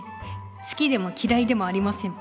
好きでもきらいでもありません。